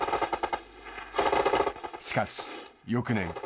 しかし、翌年。